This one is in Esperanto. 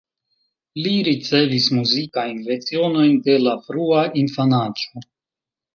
Li ricevis muzikajn lecionojn de la frua infanaĝo.